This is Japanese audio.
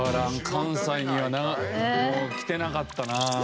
関西には来てなかったなあ。